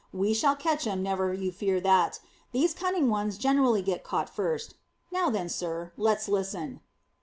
We shall catch him, never you fear that. These cunning ones generally get caught first. Now then, sir, let's listen."